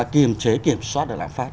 kiểm chế kiểm soát lãm phát